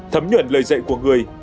thấm nhuận lời dạy của người